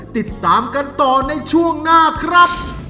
ติดตามกันต่อในช่วงหน้าครับ